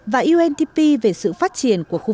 và untp về sự phát triển của khu vực